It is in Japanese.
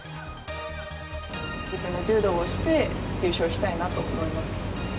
自分の柔道をして優勝したいなと思います。